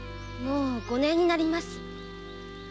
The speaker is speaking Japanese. もう五年になります。